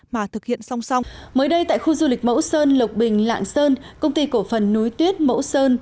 mới đây tại khu du lịch mẫu sơn lộc bình lạng sơn công ty cổ phần núi tuyết mẫu sơn